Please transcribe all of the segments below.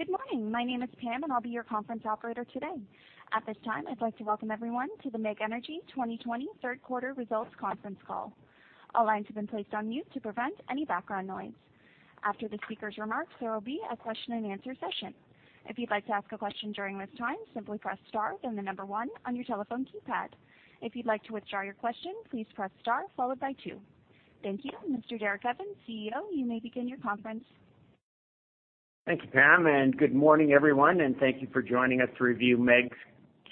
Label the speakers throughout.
Speaker 1: Good morning. My name is Pam, and I'll be your conference operator today. At this time, I'd like to welcome everyone to the MEG Energy 2020 third quarter results conference call. All lines have been placed on mute to prevent any background noise. After the speaker's remarks, there will be a question and answer session. If you'd like to ask a question during this time, simply press star then the number one on your telephone keypad. If you'd like to withdraw your question, please press star followed by two. Thank you. Mr. Derek Evans, CEO, you may begin your conference.
Speaker 2: Thank you, Pam, and good morning, everyone. And thank you for joining us to review MEG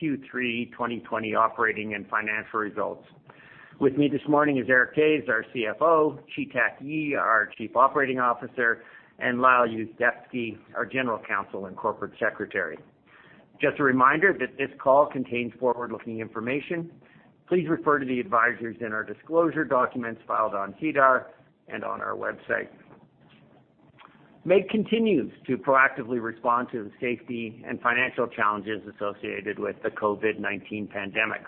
Speaker 2: Q3 2020 operating and financial results. With me this morning is Eric Toews, our CFO, Chi-Tak Yee, our Chief Operating Officer, and Lyle Yuzdepski, our General Counsel and Corporate Secretary. Just a reminder that this call contains forward-looking information. Please refer to the advisories in our disclosure documents filed on SEDAR and on our website. MEG continues to proactively respond to the safety and financial challenges associated with the COVID-19 pandemic.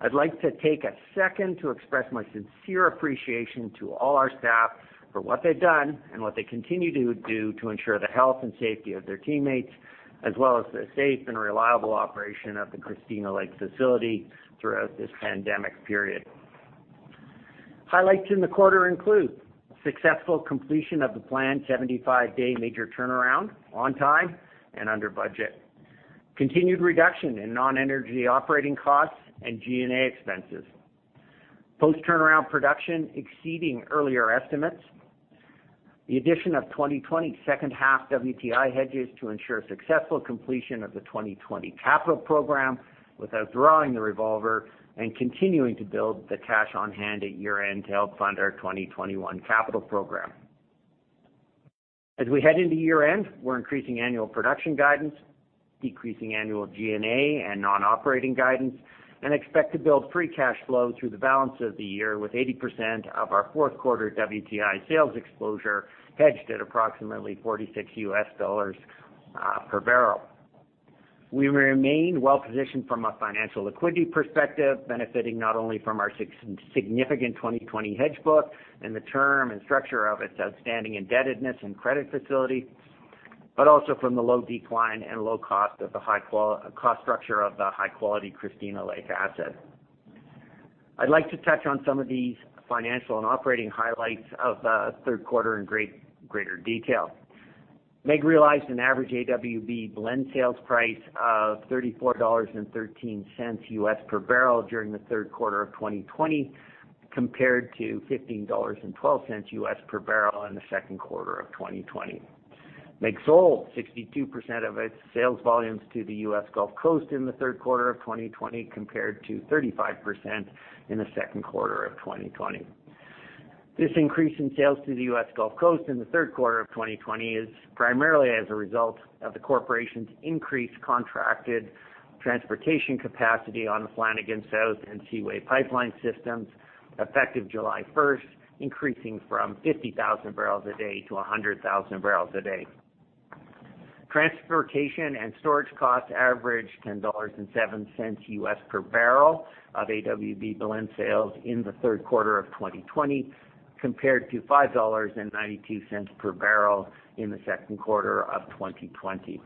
Speaker 2: I'd like to take a second to express my sincere appreciation to all our staff for what they've done and what they continue to do to ensure the health and safety of their teammates, as well as the safe and reliable operation of the Christina Lake facility throughout this pandemic period. Highlights in the quarter include successful completion of the planned 75-day major turnaround on time and under budget, continued reduction in non-energy operating costs and G&A expenses, post-turnaround production exceeding earlier estimates, the addition of 2020 second half WTI hedges to ensure successful completion of the 2020 capital program without drawing the revolver, and continuing to build the cash on hand at year-end to help fund our 2021 capital program. As we head into year-end, we're increasing annual production guidance, decreasing annual G&A and non-operating guidance, and expect to build free cash flow through the balance of the year with 80% of our fourth quarter WTI sales exposure hedged at approximately $46 per barrel. We remain well positioned from a financial liquidity perspective, benefiting not only from our significant 2020 hedge book and the term and structure of its outstanding indebtedness and credit facility, but also from the low decline and low cost structure of the high-quality Christina Lake asset. I'd like to touch on some of these financial and operating highlights of the third quarter in greater detail. MEG realized an average AWB blend sales price of $34.13 U.S. per barrel during the third quarter of 2020, compared to $15.12 U.S. per barrel in the second quarter of 2020. MEG sold 62% of its sales volumes to the U.S. Gulf Coast in the third quarter of 2020, compared to 35% in the second quarter of 2020. This increase in sales to the U.S. Gulf Coast in the third quarter of 2020 is primarily as a result of the corporation's increased contracted transportation capacity on the Flanagan South and Seaway Pipeline systems, effective July 1st, increasing from 50,000 barrels a day to 100,000 barrels a day. Transportation and storage costs averaged $10.07 per barrel of AWB blend sales in the third quarter of 2020, compared to $5.92 per barrel in the second quarter of 2020.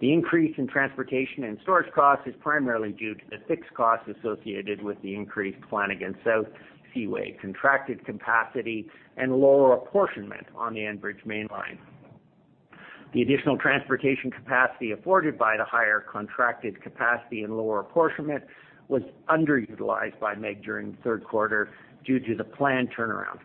Speaker 2: The increase in transportation and storage costs is primarily due to the fixed costs associated with the increased Flanagan South, Seaway contracted capacity, and lower apportionment on the Enbridge Mainline. The additional transportation capacity afforded by the higher contracted capacity and lower apportionment was underutilized by MEG during the third quarter due to the planned turnaround.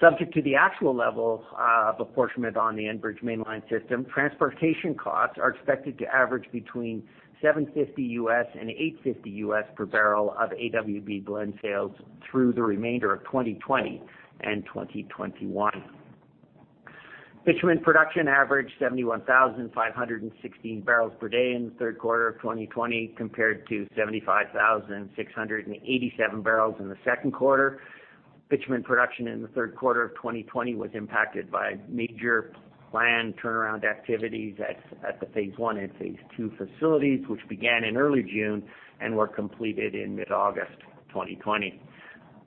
Speaker 2: Subject to the actual level of apportionment on the Enbridge Mainline system, transportation costs are expected to average between $750 and $850 per barrel of AWB blend sales through the remainder of 2020 and 2021. Bitumen production averaged 71,516 barrels per day in the third quarter of 2020, compared to 75,687 barrels in the second quarter. Bitumen production in the third quarter of 2020 was impacted by major planned turnaround activities at the Phase 1 and Phase 2 facilities, which began in early June and were completed in mid-August 2020.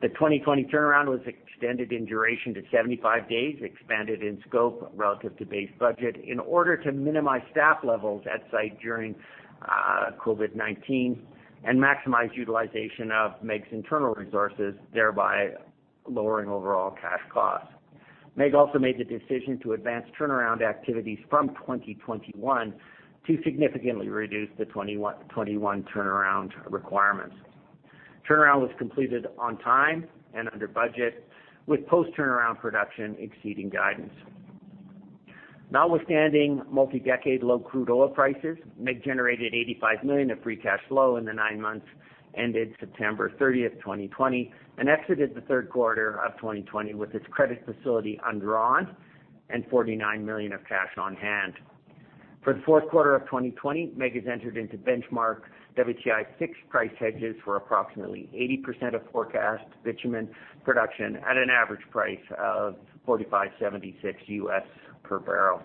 Speaker 2: The 2020 turnaround was extended in duration to 75 days, expanded in scope relative to base budget in order to minimize staff levels at site during COVID-19 and maximize utilization of MEG's internal resources, thereby lowering overall cash costs. MEG also made the decision to advance turnaround activities from 2021 to significantly reduce the 2021 turnaround requirements. Turnaround was completed on time and under budget, with post-turnaround production exceeding guidance. Notwithstanding multi-decade low crude oil prices, MEG generated 85 million of free cash flow in the nine months ended September 30th, 2020, and exited the third quarter of 2020 with its credit facility undrawn and 49 million of cash on hand. For the fourth quarter of 2020, MEG has entered into benchmark WTI fixed price hedges for approximately 80% of forecast bitumen production at an average price of $45.76 USD per barrel.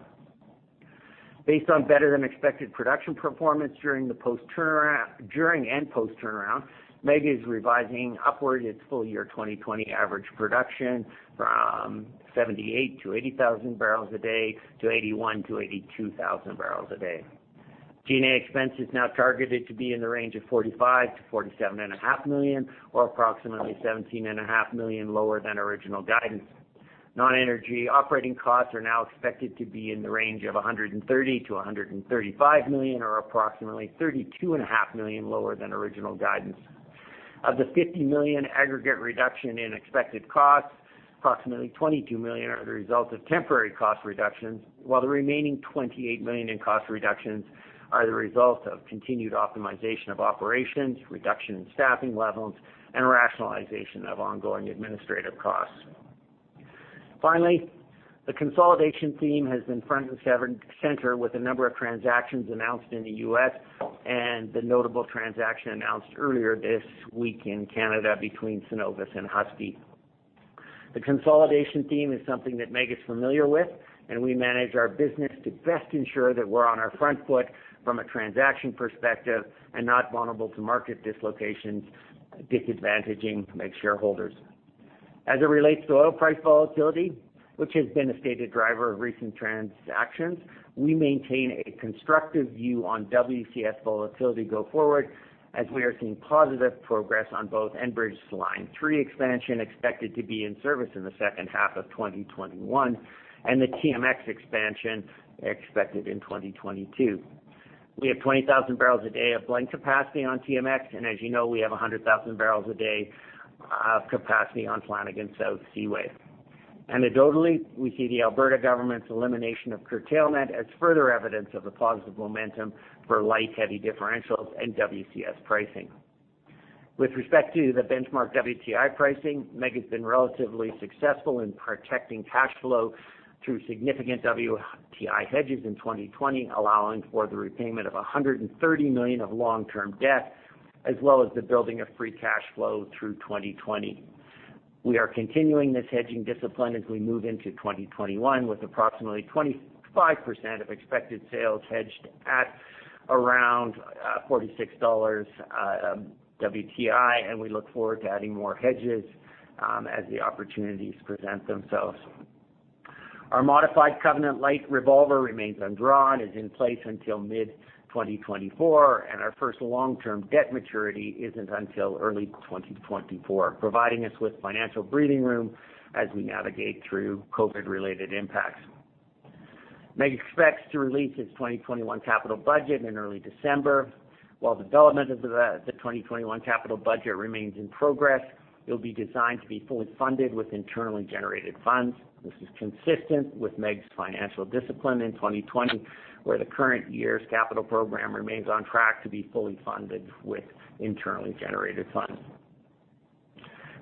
Speaker 2: Based on better than expected production performance during and post-turnaround, MEG is revising upward its full year 2020 average production from 78,000-80,000 barrels a day to 81,000-82,000 barrels a day. G&A expense is now targeted to be in the range of 45-47.5 million, or approximately 17.5 million lower than original guidance. Non-energy operating costs are now expected to be in the range of 130-135 million, or approximately 32.5 million lower than original guidance. Of the 50 million aggregate reduction in expected costs, approximately 22 million are the result of temporary cost reductions, while the remaining 28 million in cost reductions are the result of continued optimization of operations, reduction in staffing levels, and rationalization of ongoing administrative costs. Finally, the consolidation theme has been front and center with a number of transactions announced in the U.S. and the notable transaction announced earlier this week in Canada between Cenovus and Husky. The consolidation theme is something that MEG is familiar with, and we manage our business to best ensure that we're on our front foot from a transaction perspective and not vulnerable to market dislocations disadvantaging MEG shareholders. As it relates to oil price volatility, which has been a stated driver of recent transactions, we maintain a constructive view on WCS volatility go forward as we are seeing positive progress on both Enbridge's Line 3 expansion expected to be in service in the second half of 2021, and the TMX expansion expected in 2022. We have 20,000 barrels a day of blend capacity on TMX, and as you know, we have 100,000 barrels a day of capacity on Flanagan South, Seaway. Anecdotally, we see the Alberta government's elimination of curtailment as further evidence of the positive momentum for light-heavy differentials and WCS pricing. With respect to the benchmark WTI pricing, MEG has been relatively successful in protecting cash flow through significant WTI hedges in 2020, allowing for the repayment of $130 million of long-term debt, as well as the building of free cash flow through 2020. We are continuing this hedging discipline as we move into 2021 with approximately 25% of expected sales hedged at around $46 WTI, and we look forward to adding more hedges as the opportunities present themselves. Our modified covenant-lite revolver remains undrawn and is in place until mid-2024, and our first long-term debt maturity isn't until early 2024, providing us with financial breathing room as we navigate through COVID-related impacts. MEG expects to release its 2021 capital budget in early December. While development of the 2021 capital budget remains in progress, it will be designed to be fully funded with internally generated funds. This is consistent with MEG's financial discipline in 2020, where the current year's capital program remains on track to be fully funded with internally generated funds.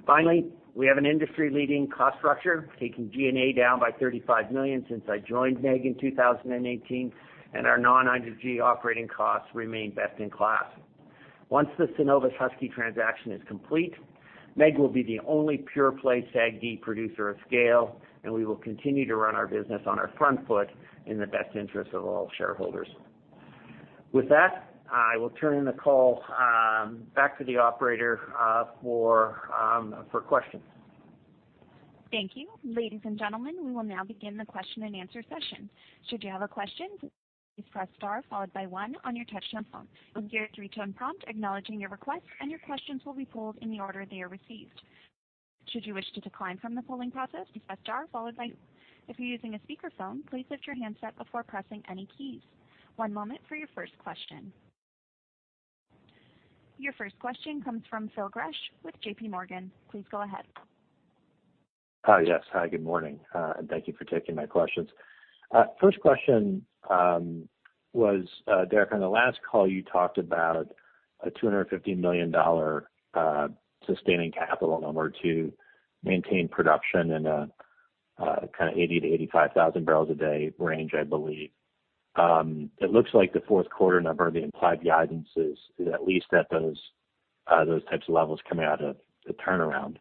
Speaker 2: Finally, we have an industry-leading cost structure, taking G&A down by 35 million since I joined MEG in 2018, and our non-energy operating costs remain best in class. Once the Cenovus-Husky transaction is complete, MEG will be the only pure-play SAGD producer of scale, and we will continue to run our business on our front foot in the best interest of all shareholders. With that, I will turn the call back to the operator for questions.
Speaker 1: Thank you. Ladies and gentlemen, we will now begin the question and answer session. Should you have a question, please press star followed by one on your touch-tone phone. You'll hear a three-tone prompt acknowledging your request, and your questions will be pulled in the order they are received. Should you wish to decline from the polling process, please press star followed by two. If you're using a speakerphone, please lift your handset before pressing any keys. One moment for your first question. Your first question comes from Phil Gresh with JPMorgan. Please go ahead.
Speaker 3: Hi, yes. Hi, good morning. Thank you for taking my questions. First question was, Derek, on the last call, you talked about a 250 million dollars sustaining capital number to maintain production in a kind of 80-85,000 barrels a day range, I believe. It looks like the fourth quarter number, the implied guidance, is at least at those types of levels coming out of the turnaround.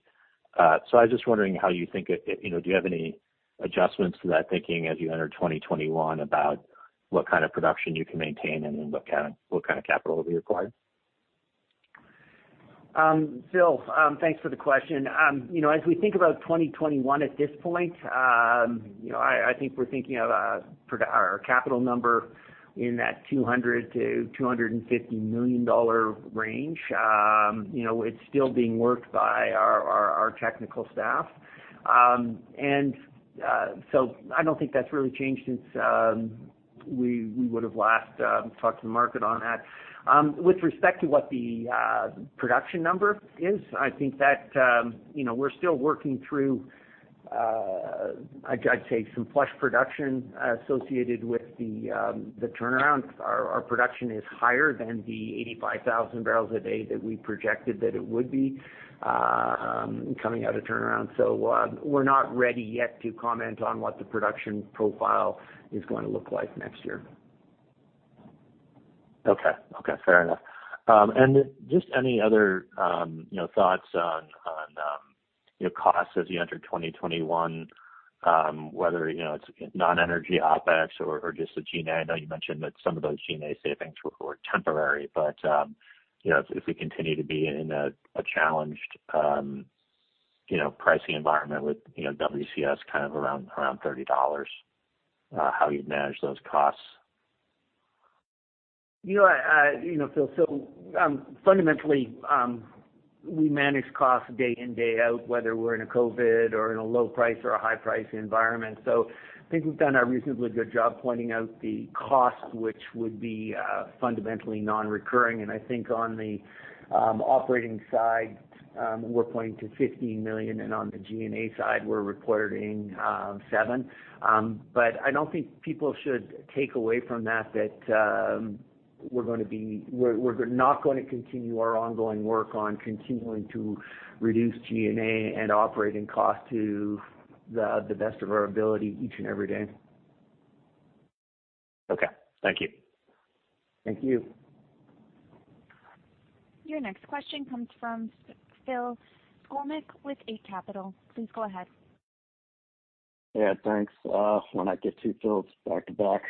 Speaker 3: So I was just wondering how you think it. Do you have any adjustments to that thinking as you enter 2021 about what kind of production you can maintain and then what kind of capital will be required?
Speaker 2: Phil, thanks for the question. As we think about 2021 at this point, I think we're thinking of our capital number in that 200 million-250 million dollar range. It's still being worked by our technical staff, and so I don't think that's really changed since we would have last talked to the market on that. With respect to what the production number is, I think that we're still working through, I'd say, some flush production associated with the turnaround. Our production is higher than the 85,000 barrels a day that we projected that it would be coming out of turnaround. So we're not ready yet to comment on what the production profile is going to look like next year.
Speaker 3: Okay. Okay. Fair enough. And just any other thoughts on costs as you enter 2021, whether it's non-energy OpEx or just the G&A? I know you mentioned that some of those G&A savings were temporary, but if we continue to be in a challenged pricing environment with WCS kind of around $30, how you manage those costs?
Speaker 2: Yeah. Phil, so fundamentally, we manage costs day in, day out, whether we're in a COVID or in a low-price or a high-price environment. So I think we've done a reasonably good job pointing out the costs, which would be fundamentally non-recurring. And I think on the operating side, we're pointing to 15 million, and on the G&A side, we're reporting 7. But I don't think people should take away from that that we're not going to continue our ongoing work on continuing to reduce G&A and operating costs to the best of our ability each and every day.
Speaker 3: Okay. Thank you.
Speaker 2: Thank you.
Speaker 1: Your next question comes from Phil Skolnick with Eight Capital. Please go ahead.
Speaker 4: Yeah. Thanks. When I get two fields back to back.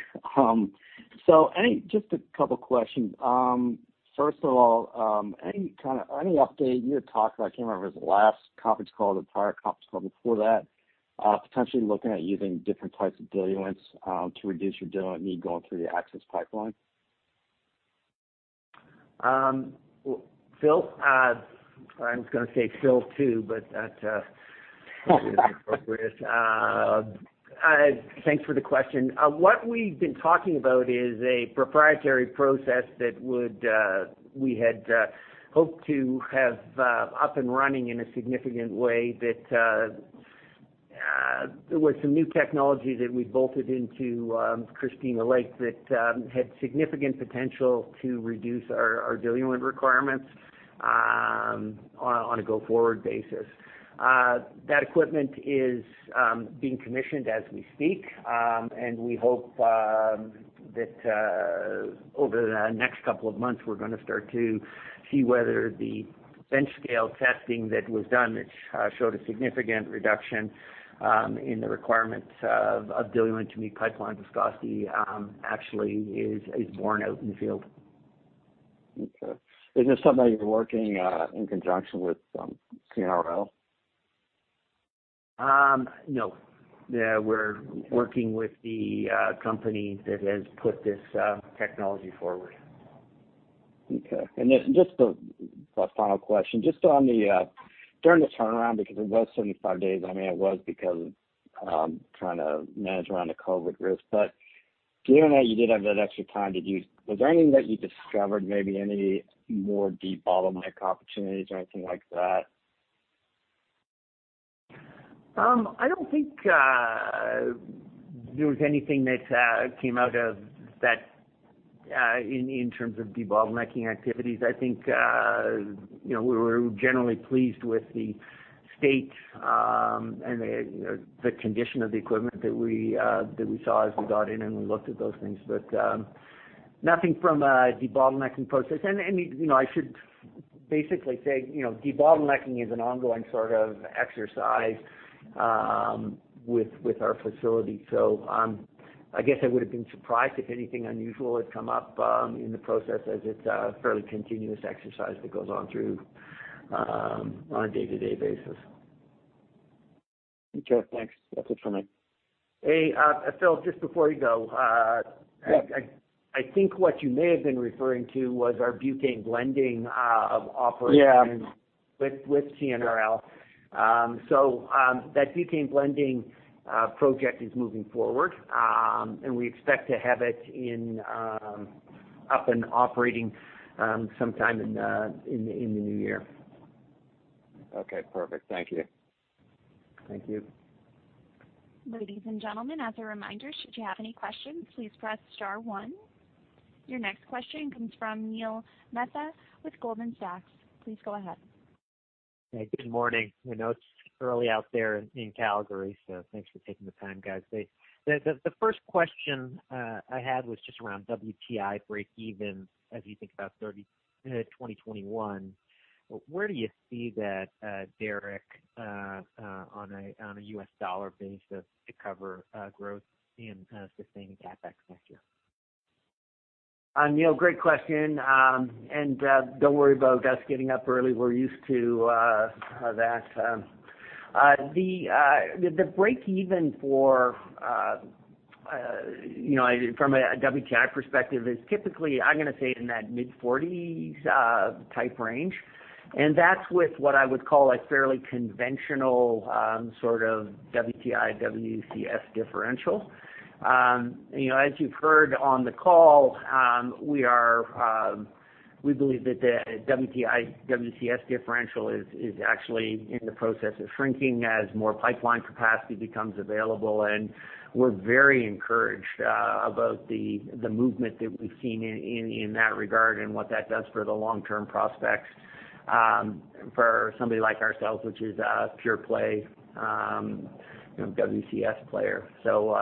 Speaker 4: So just a couple of questions. First of all, any update you had talked about, I can't remember if it was the last conference call or the prior conference call before that, potentially looking at using different types of diluents to reduce your diluent need going through the Access Pipeline?
Speaker 2: Phil, I was going to say Phil too, but that's not really appropriate. Thanks for the question. What we've been talking about is a proprietary process that we had hoped to have up and running in a significant way that there was some new technology that we bolted into Christina Lake that had significant potential to reduce our diluent requirements on a go-forward basis. That equipment is being commissioned as we speak, and we hope that over the next couple of months, we're going to start to see whether the bench-scale testing that was done, which showed a significant reduction in the requirement of diluent to meet pipeline viscosity, actually is borne out in the field.
Speaker 4: Okay. Is this something that you're working in conjunction with CNRL?
Speaker 2: No. We're working with the company that has put this technology forward.
Speaker 4: Okay. And just a final question. Just on the, during the turnaround, because it was 75 days, I mean, it was because of trying to manage around the COVID risk. But given that you did have that extra time, was there anything that you discovered, maybe any more debottleneck opportunities or anything like that?
Speaker 2: I don't think there was anything that came out of that in terms of debottlenecking activities. I think we were generally pleased with the state and the condition of the equipment that we saw as we got in and we looked at those things, but nothing from a debottlenecking process. And I should basically say debottlenecking is an ongoing sort of exercise with our facility. So I guess I would have been surprised if anything unusual had come up in the process as it's a fairly continuous exercise that goes on through on a day-to-day basis.
Speaker 4: Okay. Thanks. That's it for me.
Speaker 2: Hey, Phil, just before you go.
Speaker 4: Yeah.
Speaker 2: I think what you may have been referring to was our butane blending operation with CNRL. So that butane blending project is moving forward, and we expect to have it up and operating sometime in the new year.
Speaker 4: Okay. Perfect. Thank you.
Speaker 2: Thank you.
Speaker 1: Ladies and gentlemen, as a reminder, should you have any questions, please press star one. Your next question comes from Neil Mehta with Goldman Sachs. Please go ahead.
Speaker 5: Hey, good morning. I know it's early out there in Calgary, so thanks for taking the time, guys. The first question I had was just around WTI breakeven as you think about 2021. Where do you see that, Derek, on a U.S. dollar basis to cover growth in sustaining the CapEx factor?
Speaker 2: Neil, great question. And don't worry about us getting up early. We're used to that. The breakeven for from a WTI perspective is typically, I'm going to say, in that mid-40s type range. And that's with what I would call a fairly conventional sort of WTI/WCS differential. As you've heard on the call, we believe that the WTI/WCS differential is actually in the process of shrinking as more pipeline capacity becomes available. And we're very encouraged about the movement that we've seen in that regard and what that does for the long-term prospects for somebody like ourselves, which is a pure-play WCS player. So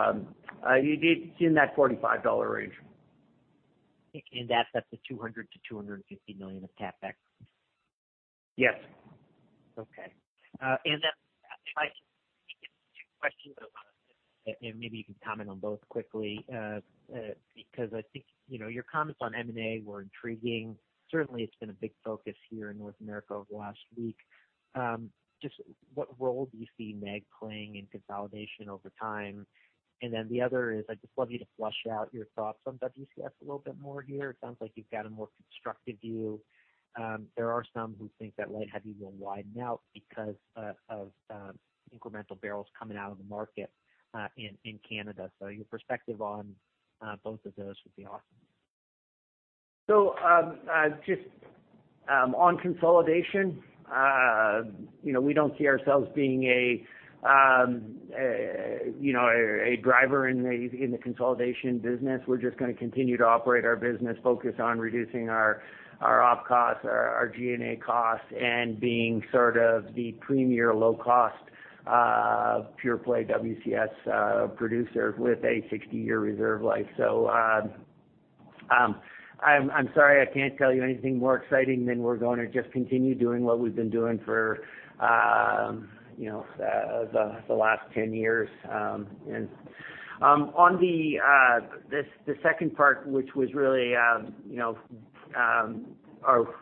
Speaker 2: it's in that $45 range. That's the 200 million-250 million of CapEx?
Speaker 5: Yes. Okay. And then if I can take a few questions, and maybe you can comment on both quickly because I think your comments on M&A were intriguing. Certainly, it's been a big focus here in North America over the last week. Just what role do you see MEG playing in consolidation over time? And then the other is I'd just love you to flesh out your thoughts on WCS a little bit more here. It sounds like you've got a more constructive view. There are some who think that light-heavy will widen out because of incremental barrels coming out of the market in Canada. So your perspective on both of those would be awesome.
Speaker 2: So just on consolidation, we don't see ourselves being a driver in the consolidation business. We're just going to continue to operate our business, focus on reducing our op costs, our G&A costs, and being sort of the premier low-cost pure-play WCS producer with a 60-year reserve life. So I'm sorry I can't tell you anything more exciting than we're going to just continue doing what we've been doing for the last 10 years. And on the second part, which was really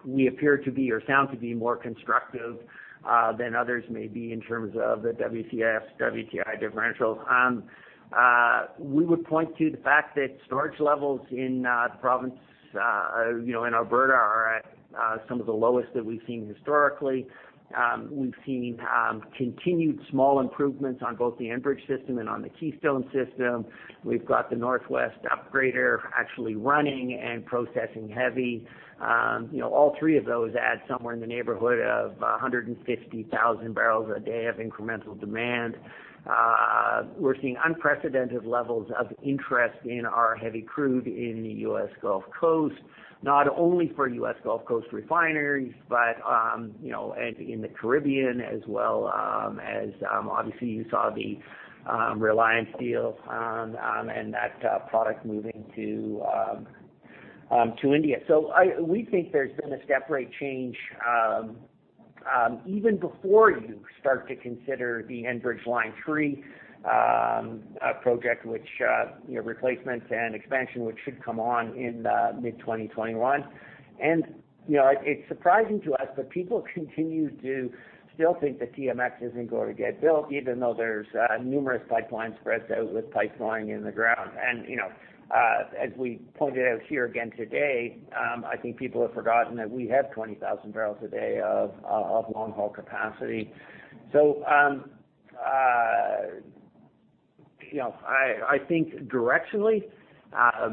Speaker 2: we appear to be or sound to be more constructive than others may be in terms of the WCS/WTI differential. We would point to the fact that storage levels in the province in Alberta are some of the lowest that we've seen historically. We've seen continued small improvements on both the Enbridge system and on the Keystone system. We've got the North West Upgrader actually running and processing heavy. All three of those add somewhere in the neighborhood of 150,000 barrels a day of incremental demand. We're seeing unprecedented levels of interest in our heavy crude in the U.S. Gulf Coast, not only for U.S. Gulf Coast refineries but in the Caribbean as well, as obviously you saw the Reliance deal and that product moving to India. So we think there's been a sea change even before you start to consider the Enbridge Line 3 project, which replacements and expansion which should come on in mid-2021. And it's surprising to us, but people continue to still think that TMX isn't going to get built even though there's numerous pipelines spread out with pipeline in the ground. And as we pointed out here again today, I think people have forgotten that we have 20,000 barrels a day of long-haul capacity. So I think directionally,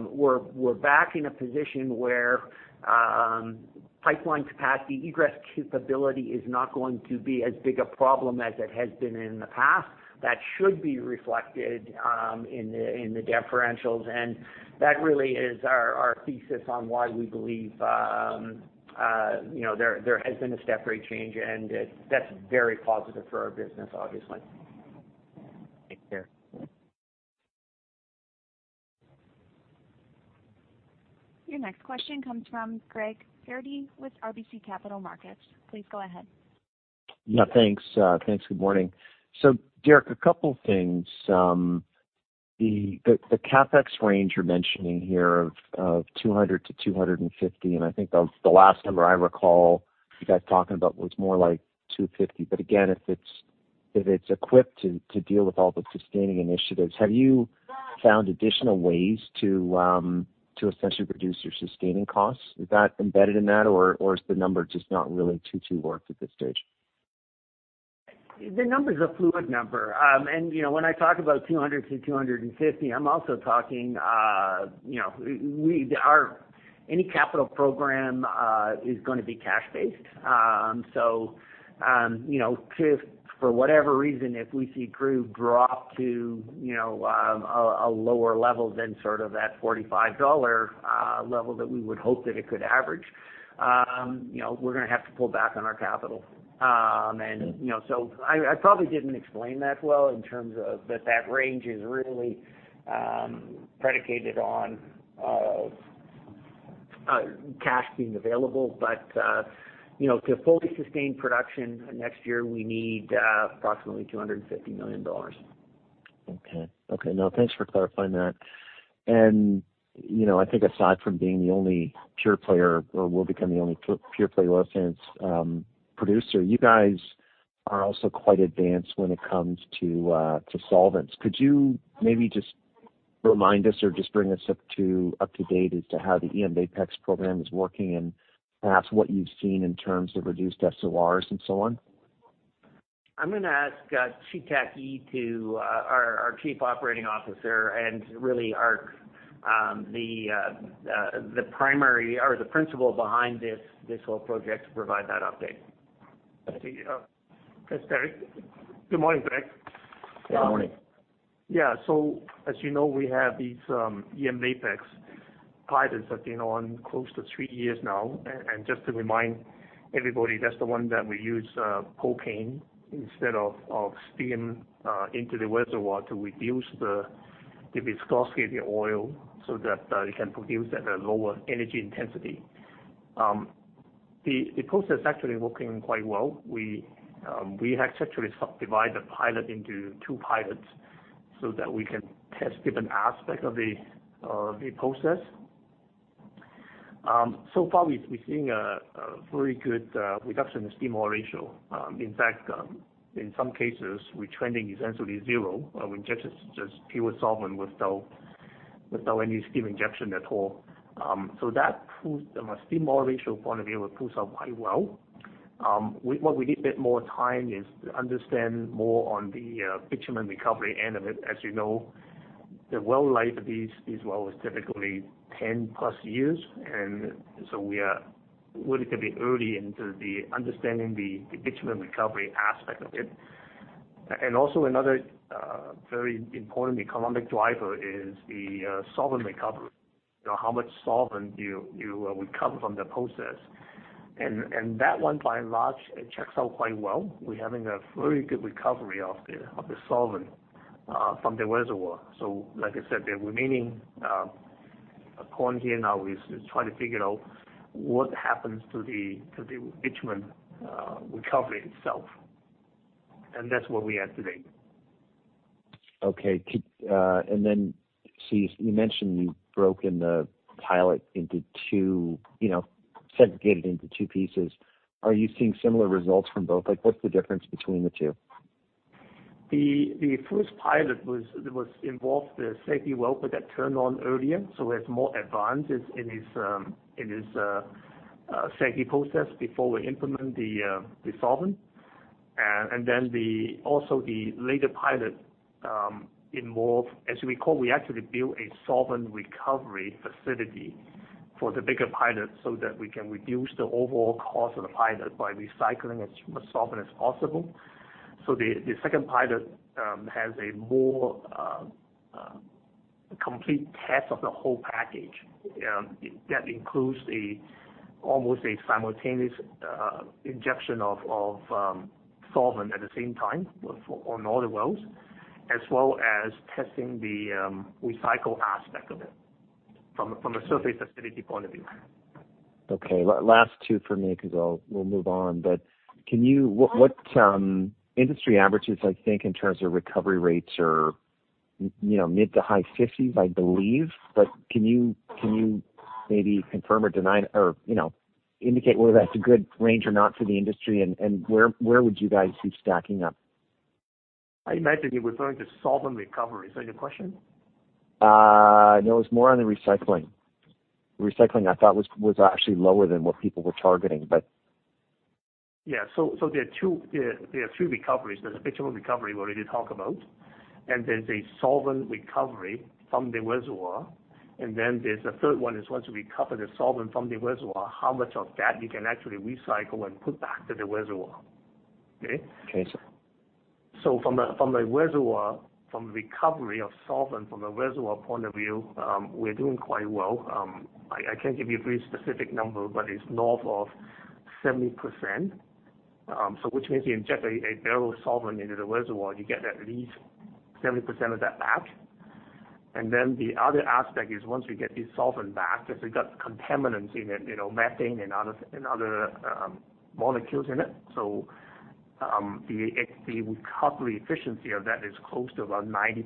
Speaker 2: we're back in a position where pipeline capacity, egress capability is not going to be as big a problem as it has been in the past. That should be reflected in the differentials. And that really is our thesis on why we believe there has been a step change, and that's very positive for our business, obviously.
Speaker 5: Thank you.
Speaker 1: Your next question comes from Greg Pardy with RBC Capital Markets. Please go ahead.
Speaker 6: Yeah. Thanks. Thanks. Good morning. So Derek, a couple of things. The CapEx range you're mentioning here of 200-250, and I think the last number I recall you guys talking about was more like 250. But again, if it's equipped to deal with all the sustaining initiatives, have you found additional ways to essentially reduce your sustaining costs? Is that embedded in that, or is the number just not really too too worked at this stage?
Speaker 2: The number is a fluid number. And when I talk about 200 million-250 million, I'm also talking any capital program is going to be cash-based. So for whatever reason, if we see crude drop to a lower level than sort of that $45 level that we would hope that it could average, we're going to have to pull back on our capital. And so I probably didn't explain that well in terms of that that range is really predicated on cash being available. But to fully sustain production next year, we need approximately 250 million dollars.
Speaker 6: Okay. Okay. No, thanks for clarifying that. And I think aside from being the only pure player or will become the only pure-play license producer, you guys are also quite advanced when it comes to solvents. Could you maybe just remind us or just bring us up to date as to how the eMVAPEX program is working and perhaps what you've seen in terms of reduced SORs and so on?
Speaker 2: I'm going to ask Chi-Tak Yee, our Chief Operating Officer, and really the primary or the principal behind this whole project to provide that update.
Speaker 7: Hey, Derek. Good morning, Derek.
Speaker 8: Good morning.
Speaker 7: Yeah. So as you know, we have these eMVAPEX pilots that have been on close to three years now. And just to remind everybody, that's the one that we use propane instead of steam into the reservoir to reduce the viscosity of the oil so that it can produce at a lower energy intensity. The process is actually working quite well. We have actually subdivided the pilot into two pilots so that we can test different aspects of the process. So far, we've seen a very good reduction in the steam oil ratio. In fact, in some cases, we're trending essentially zero. We just use pure solvent with no any steam injection at all. So that, from a steam oil ratio point of view, it pulls up quite well. What we need a bit more time is to understand more on the bitumen recovery end of it. As you know, the well life of these wells is typically 10-plus years. And so we are really going to be early into understanding the bitumen recovery aspect of it. And also another very important economic driver is the solvent recovery. How much solvent you recover from the process. And that one, by and large, checks out quite well. We're having a very good recovery of the solvent from the reservoir. So like I said, the remaining point here now is to try to figure out what happens to the bitumen recovery itself. And that's where we are today.
Speaker 6: Okay. And then, so you mentioned you've broken the pilot into two segregated pieces. Are you seeing similar results from both? What's the difference between the two?
Speaker 7: The first pilot involved the safety well that turned on earlier, so it has more advances in its safety process before we implement the solvent, and then also the later pilot involved, as we call, we actually built a solvent recovery facility for the bigger pilot so that we can reduce the overall cost of the pilot by recycling as much solvent as possible, so the second pilot has a more complete test of the whole package. That includes almost a simultaneous injection of solvent at the same time on all the wells, as well as testing the recycle aspect of it from a surface facility point of view.
Speaker 6: Okay. Last two for me because we'll move on. But what industry averages, I think, in terms of recovery rates are mid- to high-50s, I believe. But can you maybe confirm or deny or indicate whether that's a good range or not for the industry? And where would you guys be stacking up?
Speaker 7: I imagine you were referring to solvent recovery. Is that your question?
Speaker 6: No, it was more on the recycling. Recycling, I thought, was actually lower than what people were targeting, but.
Speaker 7: Yeah. So there are two recoveries. There's a bitumen recovery we already talked about. And there's a solvent recovery from the reservoir. And then there's a third one is once we recover the solvent from the reservoir, how much of that you can actually recycle and put back to the reservoir. Okay?
Speaker 6: Okay.
Speaker 7: So from the reservoir, from the recovery of solvent from the reservoir point of view, we're doing quite well. I can't give you a very specific number, but it's north of 70%. So which means you inject a barrel of solvent into the reservoir, you get at least 70% of that back. And then the other aspect is once we get this solvent back, because it's got contaminants in it, methane and other molecules in it. So the recovery efficiency of that is close to about 90%.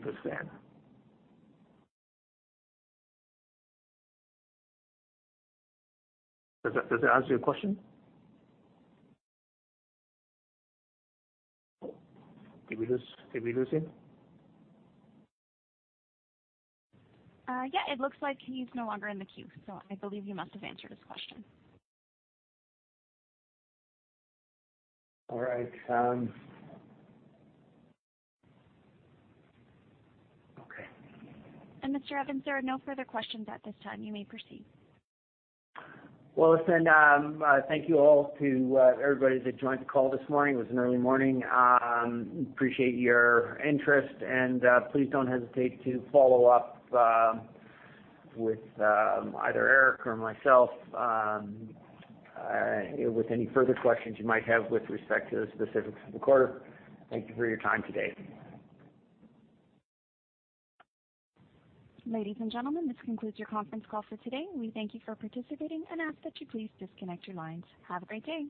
Speaker 7: Does that answer your question? Did we lose him?
Speaker 1: Yeah. It looks like he's no longer in the queue. So I believe you must have answered his question.
Speaker 7: All right. Okay.
Speaker 1: Mr. Evans, there are no further questions at this time. You may proceed.
Speaker 2: Listen, thank you all to everybody that joined the call this morning. It was an early morning. Appreciate your interest and please don't hesitate to follow up with either Eric or myself with any further questions you might have with respect to the specifics of the quarter. Thank you for your time today.
Speaker 1: Ladies and gentlemen, this concludes your conference call for today. We thank you for participating and ask that you please disconnect your lines. Have a great day.